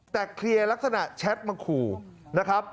แต่เคลียร์ลักษณะแชทมาขู่นะครับ